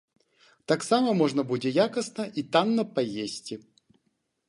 Таксама можна будзе якасна і танна паесці.